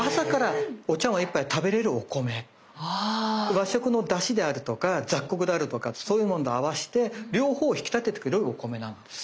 和食のだしであるとか雑穀であるとかそういうものと合わして両方を引き立ててくれるお米なのです。